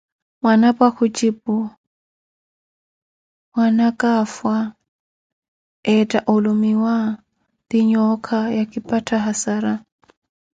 Mwanapwa kujipu: Mpwanaaka afwa, ettha olumiwa ti nhooka, ya kipattha hassara.